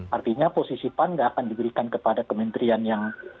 artinya posisi pan tidak akan diberikan kepada kementerian yang